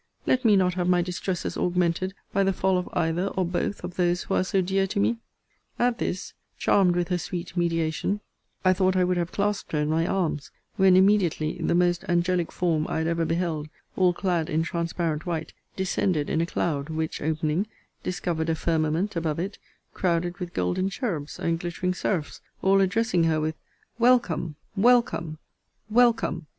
Let me not have my distresses augmented by the fall of either or both of those who are so dear to me! 'At this, charmed with her sweet mediation, I thought I would have clasped her in my arms: when immediately the most angelic form I had ever beheld, all clad in transparent white, descended in a cloud, which, opening, discovered a firmament above it, crowded with golden cherubs and glittering seraphs, all addressing her with Welcome, welcome, welcome!